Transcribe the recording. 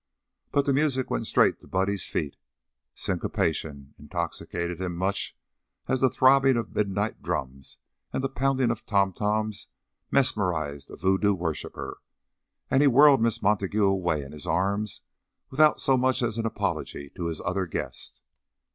But the music went straight to Buddy's feet; syncopation intoxicated him much as the throbbing of midnight drums and the pounding of tom toms mesmerizes a voodoo worshiper, and he whirled Miss Montague away in his arms without so much as an apology to his other guest.